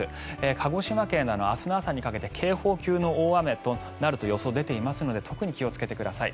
鹿児島県など明日の朝にかけて警報級の大雨になると予想が出ていますので特に気をつけてください。